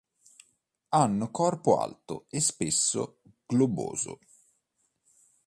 Hanno corpo alto e spesso globoso.